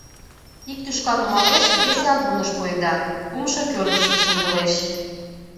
Ик тӱшка нумалеш, весе агуныш пуэда, кумшо кӧргыштӧ шындылеш.